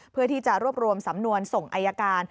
เพื่อที่จะรวบรวมสำนวนส่งอายการ